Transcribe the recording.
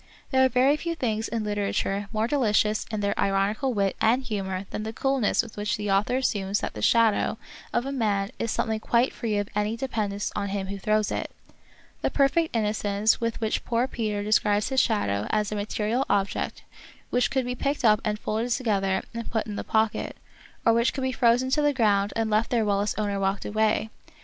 There are very few things in literature more delicious in their ironical wit and humor than the coolness with which the author assumes that the shadow 1 1 8 The Wonderful History of Peter Schlemihl, of a man is something quite free of any d^endence on him who throws it; the perfect innocence with which poor Peter describes his shadow as a material object which could be picked up and folded together and put in the pocket, or which could be frozen to the ground and left fhere while its owner walked away